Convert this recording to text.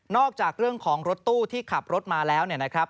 นอกจากเรื่องของรถตู้ที่ขับรถมาแล้ว